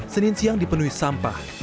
senin siang dipenuhi sampah